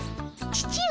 父上。